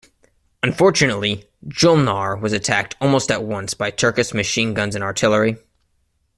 Unfortunately "Julnar" was attacked almost at once by Turkish machine-guns and artillery.